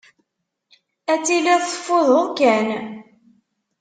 Ad tiliḍ teffudeḍ kan.